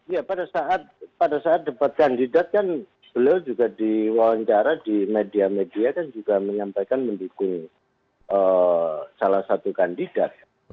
ya pada saat debat kandidat kan beliau juga diwawancara di media media kan juga menyampaikan mendukung salah satu kandidat